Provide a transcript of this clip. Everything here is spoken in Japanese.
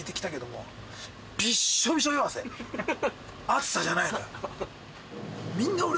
暑さじゃないのよ。